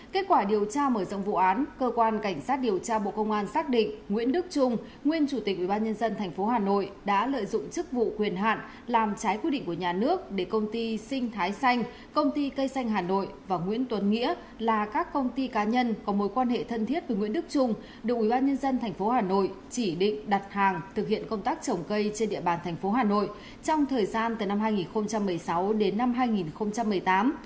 kết quả điều tra mở rộng vụ án cơ quan cảnh sát điều tra bộ công an xác định nguyễn đức trung nguyên chủ tịch ubnd thành phố hà nội đã lợi dụng chức vụ quyền hạn làm trái quy định của nhà nước để công ty xinh thái xanh công ty cây xanh hà nội và nguyễn tuấn nghĩa là các công ty cá nhân có mối quan hệ thân thiết với nguyễn đức trung được ubnd thành phố hà nội chỉ định đặt hàng thực hiện công tác trồng cây trên địa bàn thành phố hà nội trong thời gian từ năm hai nghìn một mươi sáu đến năm hai nghìn một mươi tám